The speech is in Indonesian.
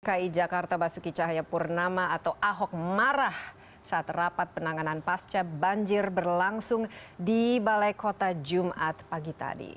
dki jakarta basuki cahayapurnama atau ahok marah saat rapat penanganan pasca banjir berlangsung di balai kota jumat pagi tadi